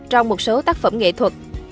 trong một số tác phẩm nghệ thuật